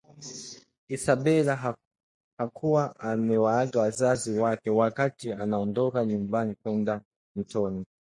Isabela hakuwa amewaaga wazazi wake wakati anaondoka nyumbani kwenda mtoni